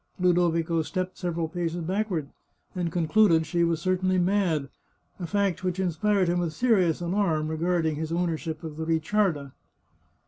Ludovico stepped several paces backward, and concluded she was certainly mad, a fact which inspired him with serious alarm regarding his ownership of the Ricciarda.